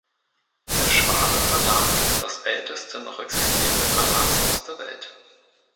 Der Schwabe Verlag ist das älteste noch existierende Verlagshaus der Welt.